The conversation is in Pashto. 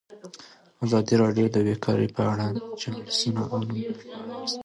ازادي راډیو د بیکاري په اړه د چانسونو او ننګونو په اړه بحث کړی.